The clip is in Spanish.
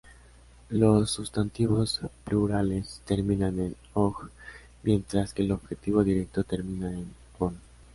Los sustantivos plurales terminan en "-oj", mientras que el objeto directo termina en "-on".